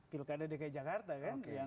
pilkada dki jakarta kan yang kemudian